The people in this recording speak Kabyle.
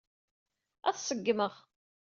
Ad t-ṣeggmeɣ.